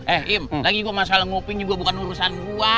eh im lagi gue masalah ngoping juga bukan urusan gua